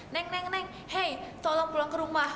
neng neng neng hei tolong pulang ke rumah